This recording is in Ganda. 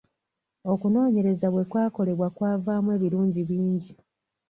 Okunoonyereza bwe kwakolebwa kwavaamu ebirungi bingi.